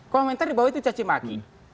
komentar di bawah itu cacimaki